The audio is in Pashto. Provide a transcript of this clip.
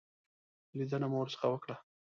لیدنه مو ورڅخه وکړه.